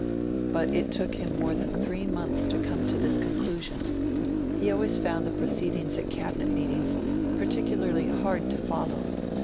But it took him more than three months to come to this conclusion. He always found the proceedings at Cabinet meetings particularly hard to follow.